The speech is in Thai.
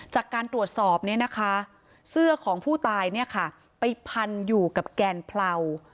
จากการตรวจสอบเนี่ยนะคะเสื้อของผู้ตายไปพันอยู่กับแกนเพรา